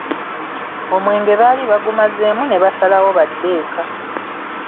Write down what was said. Omwenge baali bagumazeemu ne basalawo badde eka!